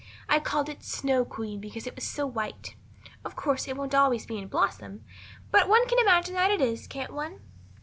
I called it Snow Queen because it was so white. Of course, it won't always be in blossom, but one can imagine that it is, can't one?"